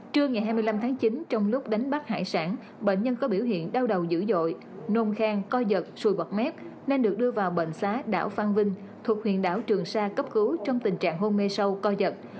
trưa ngày hai mươi năm tháng chín trong lúc đánh bắt hải sản bệnh nhân có biểu hiện đau đầu dữ dội nôn khang co giật sùi bật mép nên được đưa vào bệnh xã đảo phan vinh thuộc huyện đảo trường sa cấp cứu trong tình trạng hôn mê sâu coi giật